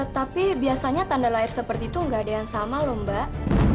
tapi biasanya tanda lahir seperti itu nggak ada yang sama lho mbak